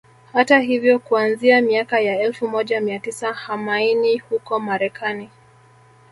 Hata hivyo kuanzia miaka ya elfu moja mia tisa hamaini huko Marekani